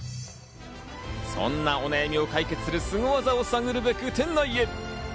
そんなお悩みを解決するスゴ技を探るべく店内へ。